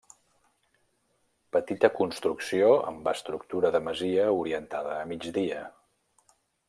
Petita construcció amb estructura de masia orientada a migdia.